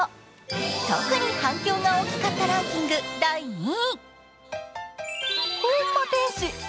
特に反響が大きかったランキング第２位。